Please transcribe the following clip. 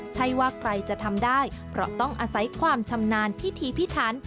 ใช่ว่าใครจะทำได้เพราะต้องอาศัยความชำนาญพิธีพิถัน